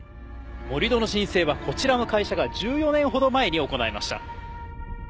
盛り土の申請はこちらの会社が１４年ほど前に行いました。